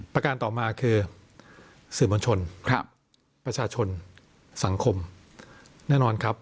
ประการต่อมาคือสื่อมวลชนประชาชนสังคมแน่นอนครับ